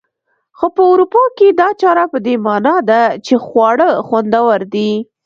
خو په اروپا کې دا چاره په دې مانا ده چې خواړه خوندور دي.